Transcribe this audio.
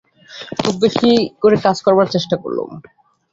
খুব বেশি করে কাজ করবার চেষ্টা করলুম।